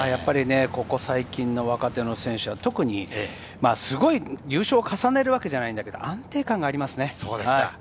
ここ最近の若手の選手は、優勝を重ねるわけではないんだけれど、安定感がありますね。